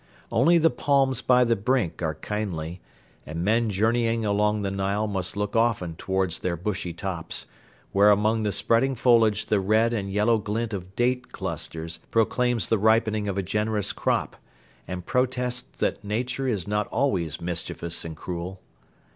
Only the palms by the brink are kindly, and men journeying along the Nile must look often towards their bushy tops, where among the spreading foliage the red and yellow glint of date clusters proclaims the ripening of a generous crop, and protests that Nature is not always mischievous and cruel.